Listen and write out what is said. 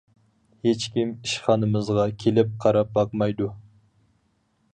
ھېچ كىم ئىشخانىمىزغا كېلىپ قاراپ باقمايدۇ.